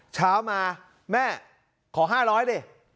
เช้ามาแม่ขอ๕๐๐ดิ